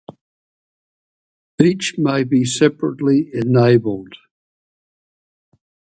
Each may be separately enabled.